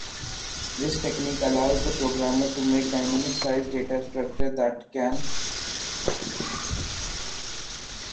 This technique allows the programmer to make dynamic-sized data structures that can